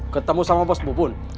ketemu sama bos bu bun